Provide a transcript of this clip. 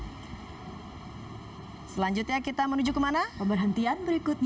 halte csw halte yang diperlukan oleh penumpang adalah halte yang berhenti di tiga halte di koridor ini